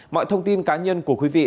mọi thông tin cá nhân của quý vị